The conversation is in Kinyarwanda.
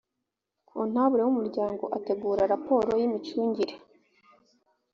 kontabule w’ umuryango ategura raporo y imicungire